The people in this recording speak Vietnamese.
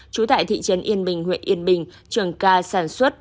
trú tại thị trấn yên bình huyện yên bình trường ca sản xuất